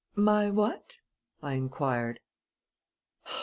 "My what?" I inquired.